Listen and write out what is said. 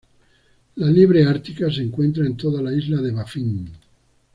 La liebre ártica se encuentra en toda la isla de Baffin.